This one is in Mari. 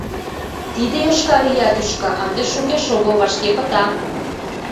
Тиде йошкар ия тӱшка, ынде шукеш огыл, вашке пыта.